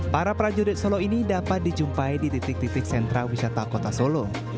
para prajurit solo ini dapat dijumpai di titik titik sentra wisata kota solo